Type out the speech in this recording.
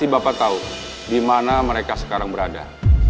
bapak tahu di mana mereka sekarang berada